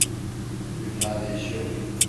Dünya değişiyor.